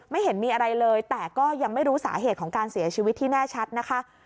เห็นมีอะไรเลยแต่ก็ยังไม่รู้สาเหตุของการเสียชีวิตที่แน่ชัดนะคะ